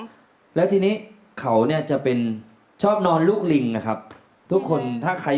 จะไม่มีใครก็จะนอนกันท่านี้